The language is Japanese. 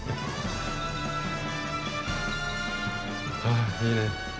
あいいね。